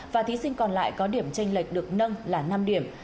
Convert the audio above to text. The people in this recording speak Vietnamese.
và thí sinh còn lại có điểm tranh lệch được nâng là năm điểm